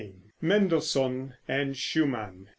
MENDELSSOHN AND SCHUMANN.